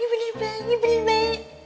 gak bener baik gak bener baik